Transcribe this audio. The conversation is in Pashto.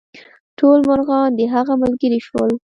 ټول مرغان د هغه ملګري شول.